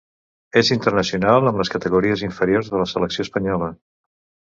És internacional amb les categories inferiors de la selecció espanyola.